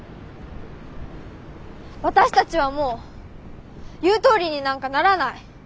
私たちはもう言うとおりになんかならない。